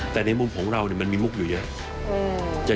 แต่ในมุมของเรามันมีมุกอยู่เยอะ